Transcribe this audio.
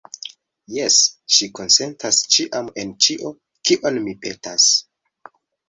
Jes, ŝi konsentas ĉiam en ĉio, kion mi petas.